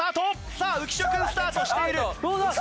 さあ浮所君スタートしている！